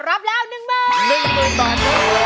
รับแล้วหนึ่งเบอร์